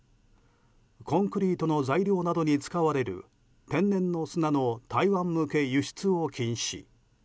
コンクリートの材料などに使われる天然の砂の台湾向け輸出を禁止。